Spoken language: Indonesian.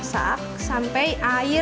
sampai air dari bawangnya masuk ke dalamnya